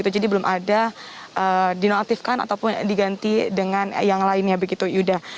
jadi belum ada dinaktifkan ataupun diganti dengan yang lainnya